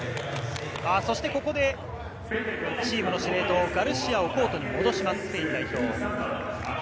そしてここでチームの司令塔・ガルシアをコートに戻します。